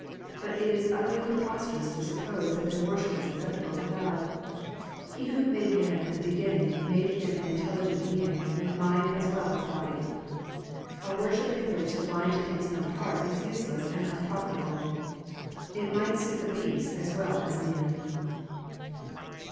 But it is utterly preposterous to suppose that their worship is acceptable to God. He who made man at the beginning made him an intelligent being, with mind as well as body. A worship in which the mind takes no part is useless and unprofitable. It might suit a beast as well as a man.